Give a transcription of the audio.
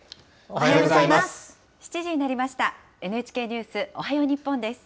おはようございます。